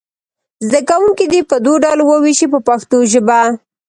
زده کوونکي دې په دوو ډلو وویشئ په پښتو ژبه.